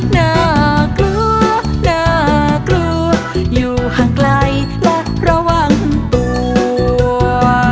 น่ากลัวน่ากลัวอยู่ห่างไกลและระวังตัว